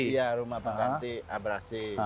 iya rumah pengganti abrasi